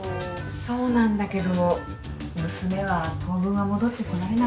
そうなんだけど娘は当分は戻ってこられなくて。